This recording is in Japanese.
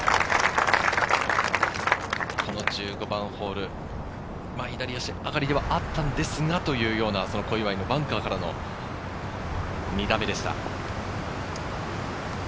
１５番ホール、左足上がりではあったんですが、というような小祝のバンカーからの２打目でした。